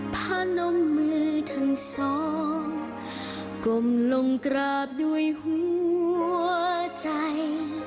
ผ้านมมือทั้งสองกลมลงกราบด้วยหัวใจ